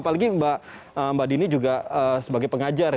apalagi mbak dini juga sebagai pengajar ya